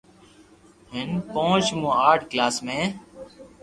ھين پونچ مون آٺ ڪلاس ۾